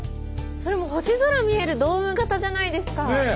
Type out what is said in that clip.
それも星空見えるドーム型じゃないですか。